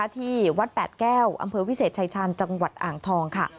ที่วัดแปดแก้วอำเภอวิเศษชายชาญจังหวัดอ่างทองค่ะ